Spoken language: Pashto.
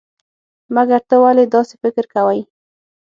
مګر ته ولې داسې فکر کوئ؟